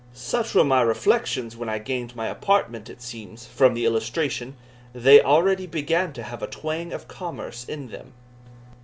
Such were my reflections when I gained my apartment it seems, from the illustration, they already began to have a twang of commerce in them.